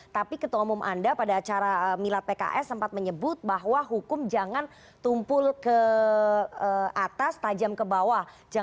tapi ketua umum anda pada acara milad pks sempat menyebut bahwa hukum jangan tumpul ke atas tajam ke bawah